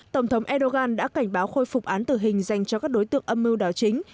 tổng thống erdogan đã cảnh báo khôi phục án tử hình dành cho các đối tượng âm mưu đảo chính